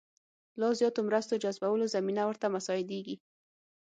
لا زیاتو مرستو جذبولو زمینه ورته مساعدېږي.